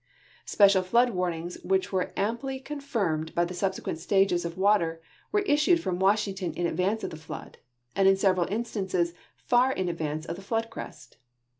Special flood warnings, w hich Avere amply con firmed by the subsequent stages of water, Avere issued from Washington in advance of the flood, and in several instances far in advance of the flood crest.